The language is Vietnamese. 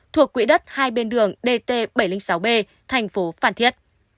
thuộc quỹ đất hai bên đường dt bảy trăm linh sáu b thành phố phan thiết